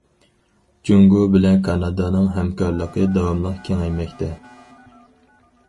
جۇڭگو بىلەن كانادانىڭ ھەمكارلىقى داۋاملىق كېڭەيمەكتە.